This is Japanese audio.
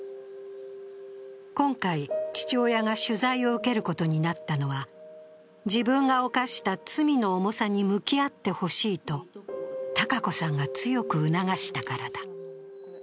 今回、父親が取材を受けることになったのは自分が犯した罪の重さに向き合ってほしいとたかこさんが強く促したからだ。